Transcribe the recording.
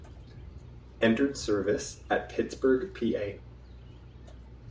Entered service at: Pittsburgh, Pa.